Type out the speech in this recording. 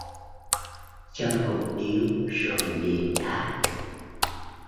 Châm một điếu rồi liền đáp